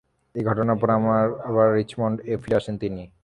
এই ঘটনার পর আবার রিচমন্ড-এ ফিরে আসেন তিনি।